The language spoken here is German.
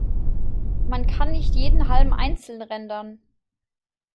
Man kann nicht jeden Halm einzeln rendern.